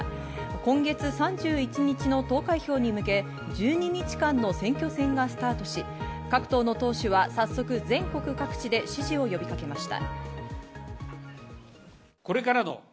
今月３１日の投開票に向け１２日間の選挙戦がスタートし、各党の党首は早速全国各地で支持を呼びかけました。